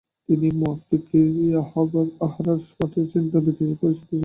তিনি মুফাক্কির-ই-আহরর "আহরার পার্টির চিন্তাবিদ" হিসাবে পরিচিত ছিলেন।